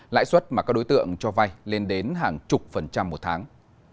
lãi suất mà các đối tượng cho vay lên đến hàng chục phần trăm một tháng